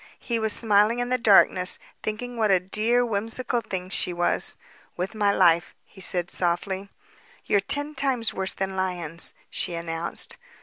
He was smiling in the darkness, thinking what a dear, whimsical thing she was. "With my life," he said softly. "They're ten times worse than lions," she announced.